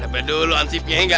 dapet dulu ansibnya ya ga